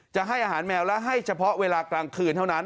จะให้อาหารแมวและให้เฉพาะเวลากลางคืนเท่านั้น